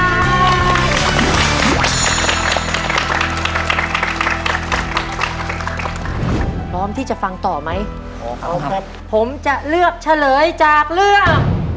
พร้อมที่จะฟังต่อไหมพร้อมครับผมจะเลือกเฉลยจากเรื่อง